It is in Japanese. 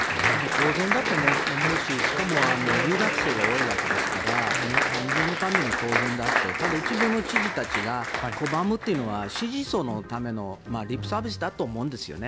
当然だと思うししかも留学生が多いわけですから安全のために当然であってただ、一部の知事たちが拒むというのは支持層のためのリップサービスだと思うんですよね。